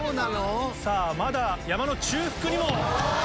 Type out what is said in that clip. さぁまだ山の中腹にも。